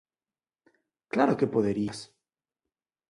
Claro que poderías.